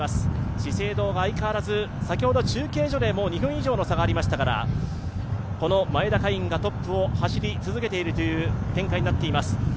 資生堂が相変わらず、先ほど中継所でも２分以上の差がありましたからこの前田海音がトップを走り続けているという展開になっています。